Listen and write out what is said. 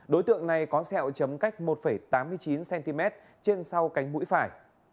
đối tượng này có sẹo chấm cách một tám mươi chín cm trên sau cánh mũi phải